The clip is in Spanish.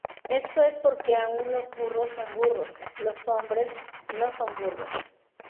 Esto es porque aunque los burros son burros, los hombres no son burros.